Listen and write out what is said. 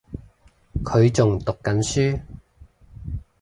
佢仲讀緊書